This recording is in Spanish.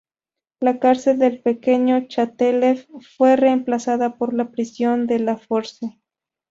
La cárcel del pequeño Châtelet fue reemplazada por la Prison de la Force.